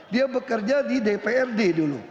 dia bekerja di dprd dulu